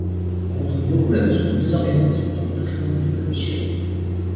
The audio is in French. On retrouve beaucoup la notion de désorganisation dans le patrimoine de l’École de Chicago.